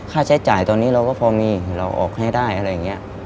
ค่าใช้จ่ายตอนนี้เราก็พอมีเราออกให้ได้อะไรอย่างนี้